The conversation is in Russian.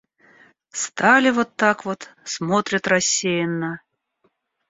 Стали вот так вот — смотрят рассеянно.